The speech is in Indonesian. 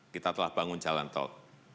kita telah bangun jalan tol